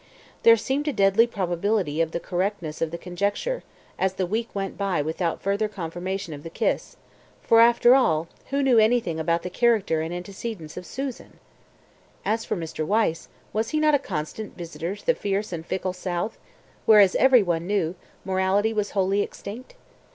There seemed a deadly probability of the correctness of the conjecture, as the week went by without further confirmation of that kiss, for, after all, who knew anything about the character and antecedents of Susan? As for Mr. Wyse, was he not a constant visitor to the fierce and fickle south, where, as everyone knew, morality was wholly extinct?